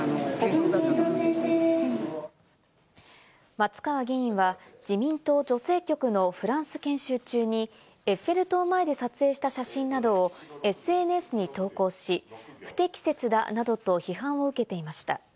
松川議員は自民党女性局のフランス研修中にエッフェル塔前で撮影した写真などをＳＮＳに投稿し、不適切だなどと批判を受けていました。